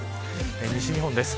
西日本です。